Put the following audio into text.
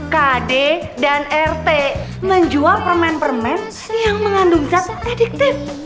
kd dan rt menjual permen permen yang mengandung zat prediktif